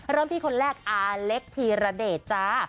เริ่มที่คนแรกอาเล็กธีรเดชจ้า